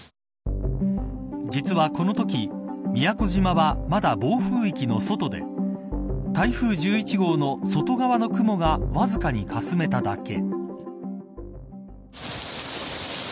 実は、このとき宮古島は、まだ暴風域の外で台風１１号の外側の雲がわずかにかすめただけ。